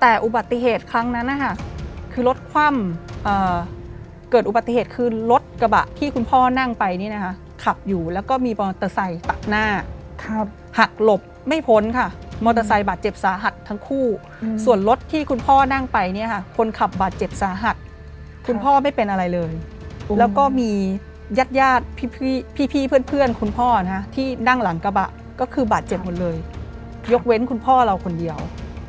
แต่อุบัติเหตุครั้งนั้นคือรถกระบะที่คุณพ่อนั่งไปขับอยู่แล้วก็มีมอเตอร์ไซค์ตะหน้าหักหลบไม่พ้นค่ะมอเตอร์ไซค์บาดเจ็บสาหัดทั้งคู่ส่วนรถที่คุณพ่อนั่งไปคนขับบาดเจ็บสาหัดคุณพ่อไม่เป็นอะไรเลยแล้วก็มียาดพี่เพื่อนคุณพ่อที่นั่งหลังกระบะก็คือบาดเจ็บหมดเลยยกเว้นคุณพ่อเราคนเดียว